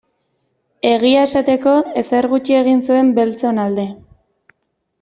Egia esateko, ezer gutxi egin zuen beltzon alde.